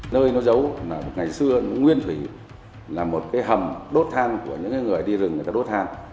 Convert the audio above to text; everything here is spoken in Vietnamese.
nơi nó giấu là ngày xưa nó nguyên thủy là một cái hầm đốt than của những người đi rừng người ta đốt than